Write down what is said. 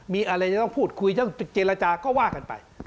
มีอะไรจะต้องพูดคุยต้องเจรจาก็ว่ากันไป